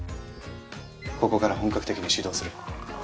ここから本格的に始動する。